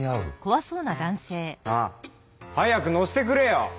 なあ早く乗せてくれよ！